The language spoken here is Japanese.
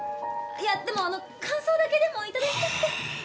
いやでもあの感想だけでも頂きたくて。